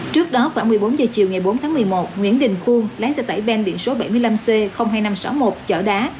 trước đó khoảng một mươi bốn h chiều ngày bốn tháng một mươi một nguyễn đình khuôn lái xe tải ben biển số bảy mươi năm c hai nghìn năm trăm sáu mươi một chở đá